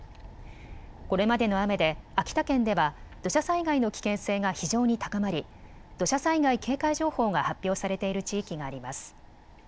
これまでの雨で秋田県では土砂災害の危険性が非常に高まり土砂災害警戒情報が発表されている地域があります。